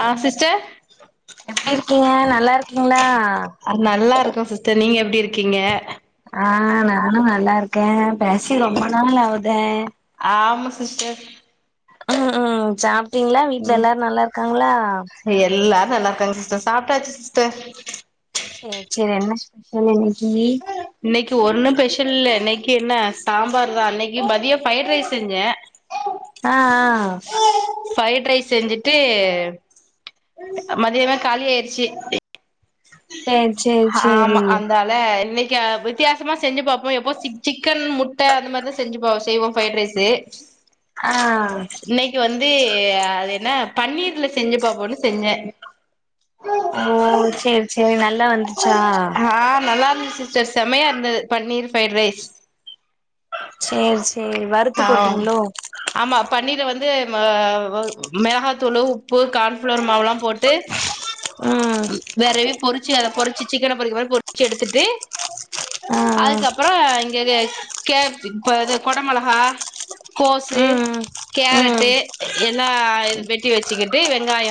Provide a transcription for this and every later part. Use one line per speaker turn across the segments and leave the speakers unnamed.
ஆ sister
எப்டி இருக்கீங்க நல்லா இருக்
நல்லா இருக்கோ சிஸ்டர் நீங்க எப்டி இருக்கீங்க
ஆ நானும் நல்லா இருக்க பேசி ரொம்ப நாள் ஆவுதே
ஆமா சிஸ்டர்
உம் சாப்ட்டீங்களா வீட்ல எல்லாரும் நல்லா இருக்காங்களா
எல்லாரும் நல்லா இருக்காங்க சிஸ்டர் சாப்ட்டாச்சு சிஸ்டர்
செரி சரி என்ன சாப்பாடு இன்னைக்கு
இன்னைக்கு ஒன்னு ஸ்பெஷல் இல்ல இன்னைக்கு என்ன சாம்பார் தா இன்னைக்கு மதியம் பஃரைட் ரைஸ் செஞ்ச
ஆ ஆ
பஃரைட் ரைஸ் செஞ்சுட்டு மதியமே காளி ஆயிச்சு
சேரி சேரி
ஆமா
சேரி
அந்த ளா இன்னிக்கு வித்தியாசமா செஞ்சு பாப்போம் எப்போ சிக்கன் முட்ட அந்த மாரிதா செஞ்சு பா செய்வோம் ஃப்ரைட் ரைஸ்சு
ஆ
இன்னைக்கு வந்து அது என்ன பன்னீர்ல செஞ்சு பாப்போம்னு செஞ்ச
ஓ செரி செரி நல்லா வந்
ஆ நல்லா இருந்து சிஸ்டர் செம்மயா இருந்தது பன்னீர் ஃபிரைட் ரைஸ்
செரி செரி வறுத்து
ஆ
போட்டீங்களோ
ஆமா பன்னீர் வந்து மிளகாத்தூள் உப்பு கன்ஃளோர் மாவுயெல்லா போ ட்டு
ம்
வெறவி பொறிச்சு அத பொறிச்சு சிக்கன பொறிக்க மாரி பொறிச்சு எடுத்துட்டு
ஆ ஆ
அதுக்கப்புறம் இங்கே கெ இப்ப அது குடமொளகா ஆ கோசு
ம் ம்
கேரட்டு எல்லா வெட்டி வச்சிக்கிட்டு வெங்காய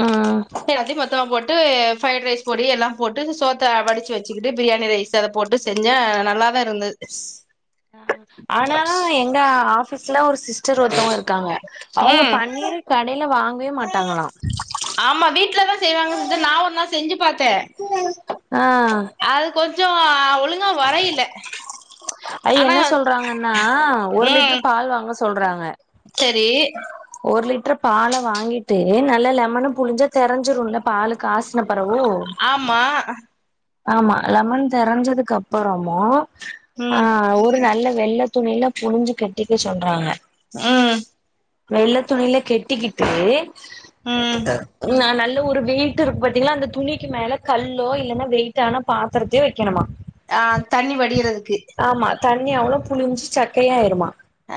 ஆ
அப்டியே எல்லாத்தயு மொத்தமா போட்டு ஃப்ரைட் ரைஸ் பொடி எல்லா போட்டு சோத்த வடிச்சு வச்சுக்கிட்டு பிரியாணி ரைஸ் சத போட்டு செஞ்ச நல்லாதா இருந்தது
ஆனா எங்க ஆஃபிஸ்ல ஒரு சிஸ் டர் ஒருத்தவங்க இருக்காங்க அவங்க
ம்
பன்னீர் கடையில வாங்கவே மாட்டாங்ளா
ஆமா வீட்லதா செய்வாங்க சிஸ்டர் நா ஒரு நாள் செஞ்சு பாத்த
ஆ
அது கொஞ்சோ ஆ ஒழுங்கா வரையில்ல
ஐ என்ன சொல்றாங்கன்னா ஒரு லிட்ரு பால் வாங்க சொல்றாங்க
செரி
ஒரு லிட்ரு பால வாங்கிட்டு நல்ல லெமனு புழிஞ்சா தெரஞ்சிருல பாலு காசின பிறவு
ஆமா
ஆமா லெமன் தெரிஞ்சதுக்கு அப்புறமு ஆ
ம்
ஒரு நல்ல வெள்ள துணியில புழஞ்சு கட்டிக்க சொல்றாங்க
ம்
வெள்ள துணியில கெட்டிக்கிட்டு
ம்
நல்ல ஒரு வெய்ட்டு இருக்கு பாத்தீங்களா அந்த துணிக்கு மேல கல்லோ இல்லன்னா வெயிட்டான பாத்ரத்தயோ வெக்கணுமா
ஆ தண்ணி வடிரதுக்கு
தண்ணி அவ்ளோ புளிஞ்சு சக்கையாயிருமா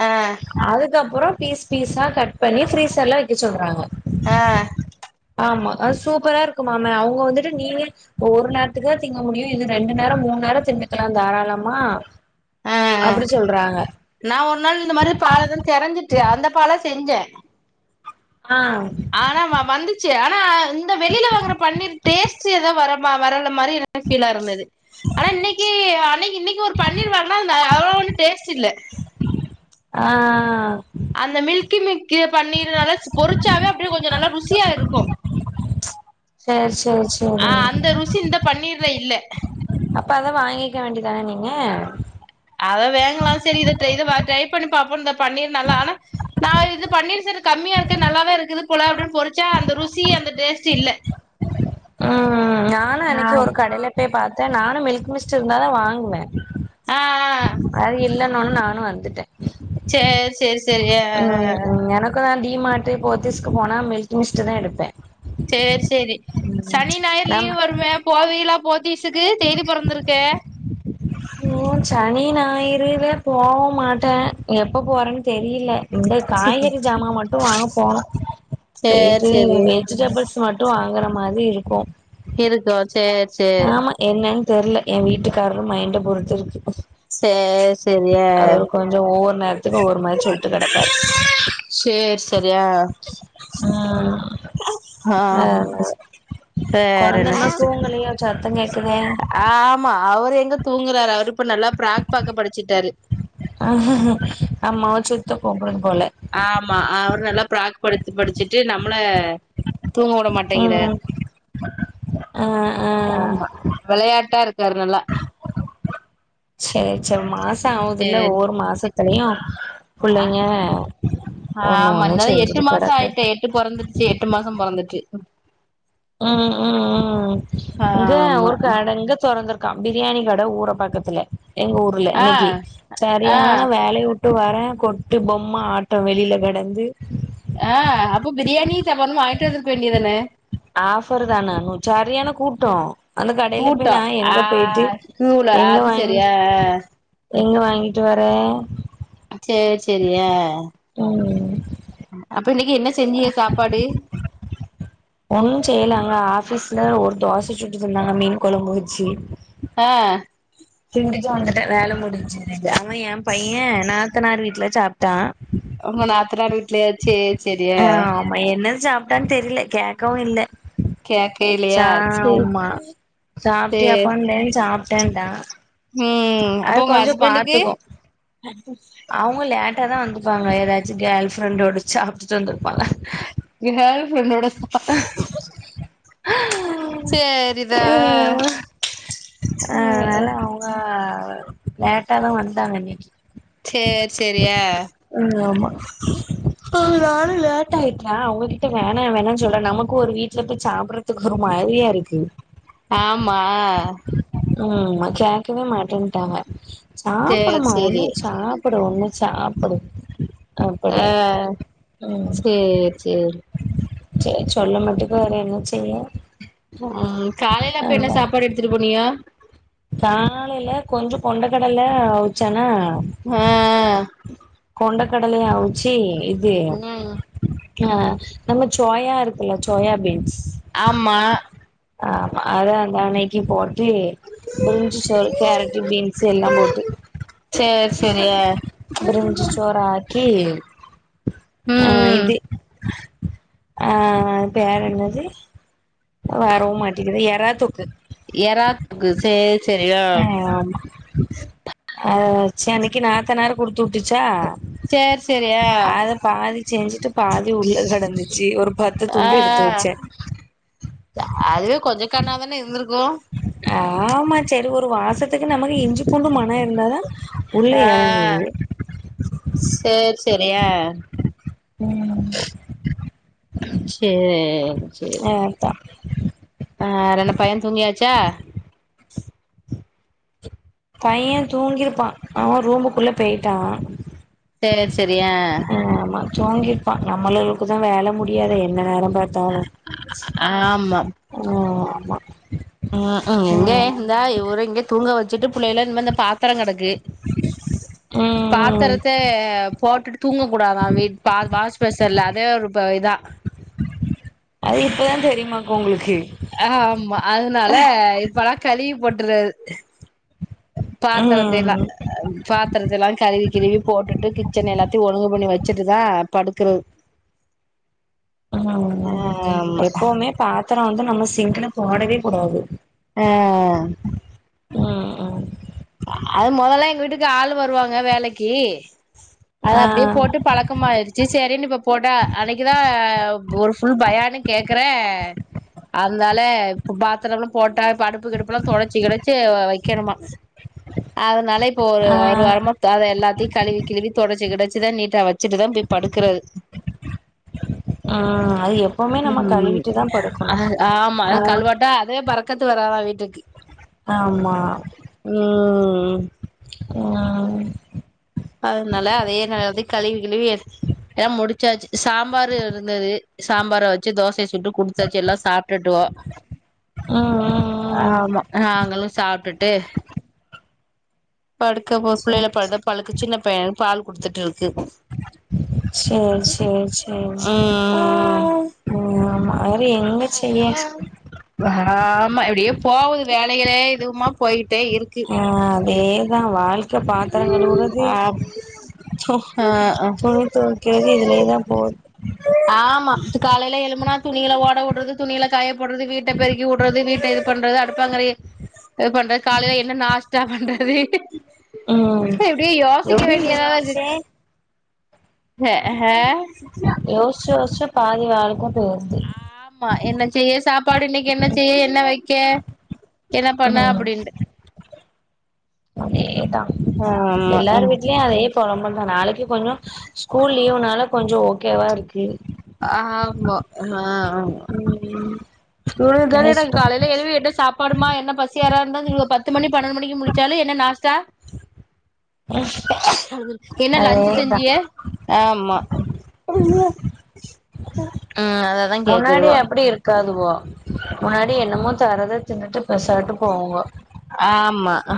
ஆ
அதுக்கப்பறோ பீஸ் பீஸ்ஸா கட் பண்ணி ஃப்ரீசர்ள வக்க சொல்றாங்க
ஆ
ஆமா அது சூப்பரா இருக்குமாம அவுங்க வந்துட்டு நீயே ஒரு நேரத்துக்கு தா திங்க முடியு இல்ல ரெண்டு நேரோ மூண் நேரோ திண்டுக்லா தாராளமா
ஆ ஆ
அப்டி சொல்றாங்க
நா ஒரு நாள் இந்த மாரி பால்து தெரஞ்சிட்டு அந்த பால செஞ்ச
ஆ
ஆன வ வந்துச்சு ஆனா இந்த வெளில வாங்குற பன்னீர் டேஸ்ட் ஏதோ வரம் வ வரல மாரி ஃபீலா இருந்தது ஆனா இன்னிக்கி அன்னிக்கி இன்னிக்கு ஒரு பன்னீர் வாங்குன அது ந அவ்ளோ ஒன்னு டேஸ்ட் இல்ல
ஆ
அந்த மில்கி மிக்கு பன்னீர்னால பொறிச்சாவே அப்டியே கொஞ்ச நல்லா ருசியா இருக்கு
சரி சரி
அ
சரி
அந்த ருசி இந்த பன்னீர்ல இல்ல
அப்ப அத வாங்கிக்க வேண்டிதான நீங்க
அத வேங்லா செரி இத ட்ரை இத ட்ரை பண்ணி பாப்போ இந்த பன்னீர் நல்லா ஆனா நா இது பன்னீர் சேர் கம்மியா இருக்கு நல்லாவே இருக்குது போல அப்டின் பொறிச்ச அந்த ருசி அந்த டேஸ்ட் இல்ல
ஆ ஆ நா
ஆ
அன்னைக் ஒரு கடையில போய் பார்த்த நானு மில்க் மிஸ்ட் இருந்தாதா வாங்குவ
ஆ ஆ
அது இல்லனோல நானு வந்துட்ட
சேர் செரி
ம் எனக்கு அ டீ மாட்டு போத்திஸ்க்கு போனா மில்க்கி மிஸ்ட் தா எடுப்ப
சேர் செரி சனி ஞாயிறு
நம்ம
லீவ் வருமே போவீலா போத்தீஸுக்கு தேதி பொறந்துருக்கே
சனி ஞாயிறுல போவ் மாட்ட எப்ப போறன் தெரில இந்த
சேரி
காய்கறி ஜாமா மட்டு வாங்க போவ போயிட்டு
சேரி
வெஜிடபிள்ஸ் மட்டு வாங்குற மாரி இருக்கு
இருக்கோ சேர்
ஆமா என்னன் தெர்ல எ வீட்டுக்காரரு மைண்ட பொறுத்து இருக்கு
சேர் சேர்
அவர் கொஞ்சோ ஒவ்வொரு நேரத்துக்கு ஒவ்வொரு மாரி சொல்ட்டு கெடப்பாரு
சேர் செரியா
ம்
ஆ ஆ
அதனால
வேறென்ன சிஸ்டர்
சத்த கேக்குதா
ஆமா அவர் எங்க தூங்குறாரு அவரு இப்ப நல்லா பிராக் பாக்க படிச்சிட்டாரு
ஆமா அவரு சுத்த போ போது போல
ஆமா அவரு நல்லா ப்ராக் படுச்சு படிச்சுட்டு நம்மள தூங்க விட மாட்டேங்கிறாரு
ம் ஆ ஆ
ஆமா விளையாட்டா இருக்காரு நல்லா
சர் சர் மாச ஆவுதுல்ல
சேரி
ஒவ்வொரு மாசத்துலயு புள்ளைங்க ஒன்னு
ஆமா
ஒன்னு
இந்தாலு எட்டு
செஞ்சுட்டு
மாசோ
கெடக்க
ஆயிட்டே எட்டு பொறந்திடுச்சு எட்டு மாசோ பொறந்துட்டு
ம் ம் ம் இங்க
ஆமா
ஒரு கட இங்க தொறந்துருக்கு க பிரியாணி கட ஊரபாக்கத்துல எங்க ஊர்ல
ஆ
இன்னெக்கி
ஆ
சரியான வேலய கொட்டு வர கொட்டு பொம்ம ஆட்ட வெளில கெடந்து
ஆ அப்போ பிரியாணி [unintelligible] வாங்கிட்டு வந்திருக்க வேண்டியதான
ஆஃபர் தான சரியான கூட்டம் அந்த கடைல போய்
கூட்டோ
நா
ஆ
எங்கன போய்ட்டு
ஸ்கூலா
எங்க
அது
வாங்கி
சரி ஆ ஆ
எங்க வாங்கிட்டு வர
சேர் செரியா
ம்
அப்ப இன்னைக்கு என்ன செஞ்சிக சாப்பாடு
ஒன்னு செய்யலங்க ஆஃபீஸ்ல ஒரு தோச சுட்டு தந்தாங்க மீன் கொழம்பு வச்சு
ஆ
திண்டுட்டு வந்துட்ட வேல முடிஞச்சு அவ எ பைய நாத்தனார் வீட்ல சாப்ட்டா
உங்க நாத்தனாரு வீட்லயா சேர் செரியா
அவ என்ன சாப்ட்டான் தெரியல கேக்கவு இல்ல ச
கேக்கைலயா சேரி
ஆமா
சேரி
சாப்ட்டியாப்பாண்ட சாப்ட்டண்டா
ம் அப்போ உங்க ஹஸ்பண்ட்டுக்கு
அவங்க லேட்டா தா வந்துப்பாங்க எதாச்சு கேர்ள் ஃப்ரெண்டோட சாப்ட்டுட்டு வந்துருப்பாங்க
கேர்ள் ஃப்ரெண்டோட சா செரிதா அ
ப லேட்டாதா வந்தாங்க இன்னெக்கி
சேர் செரியா
உன்யாமா ஆ நானு லேட் ஆயிட்டா அவங்ககிட்ட வேணா வேணான் சொல்ற நமக்கு ஒரு வீட்ல போய் சாப்ட றதுக்கு ஒரு மாரியா இருக்கு
ஆமா
ம் கேக்கவே மாட்டேன்ட்டாக
சேரி
சாப்டுமா ஒன்னு
சேரி
சாப்டு ப்டு ஒன்னு சாப்டு
ஆ சேர் சேரி
செர் சொல்ல மாட்டுக்கு வேற என்ன செய்ய
உ காலைல அப்ப என்ன சாப்பாடு எடுத்துட்டு போனிய
காலைல கொஞ்ச கொண்டக்கடல அவுச்சனா
ஆ
கொண்ட கடலய ஆவுச்சி இது
ம்
ஆ நம்ம சோயா இருக்குல்ல சோயா பீன்ஸ்
ஆமா
ஆமா அதா அந்தானைக்கி போட்டு பிரிஞ்சி சோரு கேரட் பீன்ஸ் எல்லா போட்டு
சேர் செரியா
பிரிஞ்சி சோர் ஆக்கி அ
ம்
இது ஆ பேர் என்னது வரவு மாட்டக்கிது எறா தொக்கு
எறா தொக்கு சே
அ ஆமா அ சேனக்கி நாத்தனாரு குடுத்து வுட்டுச்சா
சேர் செரி
அத பாதி செஞ்சிட்டு பாதி உள்ள கெடந்துச்சி ஒரு பத்து
ஆ
துண்டு எடுத்து வச்சே
அதுவே கொஞ்ச கர்ணா தான இருந்திருக்கு
ஆமா செரி ஒரு வாசத் துக்கு நமக்கு இஞ்சி பூண்டு மனோ இருந்தாதா உள்ள
ஆ
எறங்குது
செரியா
ம்
சேரி சேரி
அதா
ஆ ரெண்டு பைய தூங்கியாச்சா
பைய தூங்கிருப்பா அவே ரூம்புக்குள்ள பேய்ட்டா
சேரி செரியா
தூங்கிருப்பா நம்மளளுக்கு தா வேல முடியாதே என்ன நேரோ பா
ஆ ஆம்மா
ஓ ஆமா
ம்க்ம் எங்க
ம்
இந்தா இவரு இங்க தூங்க வச்சிட்டு பிள்ளைலா இன்மே இந்த பா த்தர கெடக்கு
ம்
பாத்தரெத்த போட்டுட்டு தூங்கக் கூடாதா வீட் பா வாஸ்பேசன்ல அதே ஒரு ப இதா
அது இப்பதா தெரியுமாக்கு உங்களுக்கு
அ ஹ ஆமா அதனால இப்பலா கழுவி போட்டர்றது பாத்தரத்த எல்லா
ம்
பாத்திரத்த எல்லா கழுவி கிழுவி போட்டுட்டு கிச்சன் எல்லாத்தையு ஒழுங்கு பண்ணி வச்சிட்டு தா படுக்குறது
ம்
ஆமா
எப்பவுமே பாத்திர வந்து நம்ம சிங்ல போடவே கூடாது
ஆ
ம் ம்
அது மொதல்ல எங்க வீட்டுக்கு ஆளு வருவாங்க வேலைக்கு அது
ஆ
அப்டியே போட்டு பழக்கமாய்டுச்சு செரின் இப்ப போட்டா அன்னைக்கு தா ஒரு ஃபுல் பயானு கேக்கற அத்னால இப்ப பாத்தரம்லா போட்டா இப்ப அடுப்பு கிடுப்புலா தொடச்சி கிடச்சி வ வைக்கணுமா அதனால இப்போ ஒரு
ஆ
ஒரு வாரம தல எல்லாத்தையு கழுவி கிழுவி தொடச்சி கிடச்சி தா நீட்டா வ ச்சிட்டுதா போய் படுக்கறது
ஹ
ம்
தா படுக்கணு
அ ஆமா
ஆ
அது கழுவாட்டா அதே பறக் க்கத்து வராதா வீட்டுக்கு
ஆமா
ம்
ஆமா
அதனால அதையே நா வந்து கழிவி கிழுவி எல்லா முடிச் சாச்சு சாம்பாரு இருந்தது சாம்பார வெச்சு தோசைய சு ட்டு குடுத்தாச்சு எல்லா சாப்ட்டுட்ருக்கோ
ஆ ஆ
ஆமா நாங்களு சாப்ட்டுட்டு படுக்க இப்ப
சே
பிள்ளைகள படு பழுக்கு சின்ன பைய பால் குடுத்துட்ருக்கு
சேரி சேரி சே ம்
ம்
சேரி ஆமா அதோட எங்க செய்ய
ஆமா இப்டியே போவுது வேலையிலே இதுமா போய்க்கிட்டே இருக்கு
ஆ அதேதா வாழ்க்க பாத்தரங்கழுவுறது
ஆ
சொ
ஆ ஆ
துணி தொவைக்கிறது இதுலே தா போது
ஆமா இது காலைல எழும்புனா துணிகள ஓட வுட்றது துணிகள காயப்போட்றது வீட்ட பெருக்கி வுட்றது வீட்ட இது பண்றது அடுப்பாங்கறைய இது பண்றது காலைல என்ன நாஷ்டா பண்றது
ம்
அப்டியே யோசிக்க
எப்டி
வேண்டியதாத
யோசிச்சே
இருக்கு ஹஹ
யோசுச்சு யோசுச்சு பாதி வேலைக்கு போயிற்து
ஆ ஆமா என்ன செய்ய சாப்பாடு இன்னைக்கு என்ன செய்ய என்ன வைக்க என்ன பண்ண
ம்
அப்டின்ட்டு
அதேதா
ஆமா
எல்லார்
ம்
வீட்லயு அதே பொழம்பல் தா நாளைக்கு கொஞ்ச ஸ்கூல் லீவுனால கொஞ்ச ஓகேவா இருக்கு
ஆமா ஆமா
ம்
இவ்ங்க கவலை
இனி
என்ன
ஸ்கூ
காலைல எழும்பி என்ன சாப் பாடுமா என்ன பசி யாரா இருந்தா இவ்ங்க பத்து மணி பன்னெண்டு மணிக்கு முழுச்சாலு என்ன நாஸ்டா
[unintelligible]
என்ன லஞ்ச்சு
அதேதா
செஞ்சியா ஆமா ஆ அததா
முன்னாடி
கேக்குதுவோ
அப்பிடி இருக்காதுமா முன்னாடி என்னமோ தரத தின்னுட்டு பெசாட்டு போவாங்க
ஆமா அ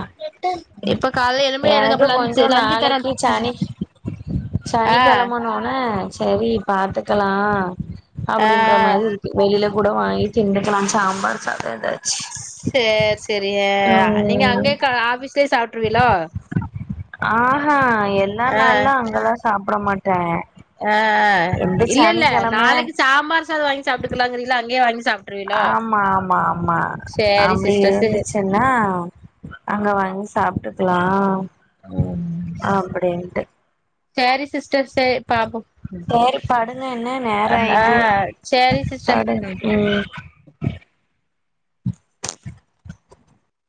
இப்ப கால்ல எழும்பி எனக்கு அப்ப லஞ்ச்சு லஞ்ச்சு தரே
சனிக்கெழமனோன செரி பாத்துக்கலா
ஆ
அப்டின்ற மாரி இருக் கு வெளில கூட வாங்கி திண்டுக்களா சாம்பார் சாத எதாச்சு
சேர் சேரிங்க நீங்க அங்கயே க ஆஃபீஸ்லே சாப்ட்ருவீலோ
ஆ ஹா எல்லா
ஆ
நாள்லா அங்கலா சாப்புட மாட்டே
ஆ
எந்த
இல்லல்ல
சனிக்கிழம
நாளைக்கு சாம்பார் சாத வாங்கி சாப்பிட்டுக்கலாங்கிறீங்ளா அங்கயே வாங்கி சாப்ட்
ஆமா ஆமா ஆமா
சேரி
அப்டி
சிஸ்டர் சே
இருந்துச்சு தொன்னா அங்க வாங்கி சாப்ட்டுக்கலா
ம்
அப்டின்ட்டு
சேரி சிஸ்டர் சேரி பாப்போ
சேரி படுங்க என்ன நேரோ
ஆ
ஆயிட்டு
சரி
படுங்க
சிஸ்டர்
ம்